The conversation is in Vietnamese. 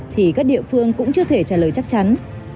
thì các địa phương cũng chưa thể trả lời chắc chắn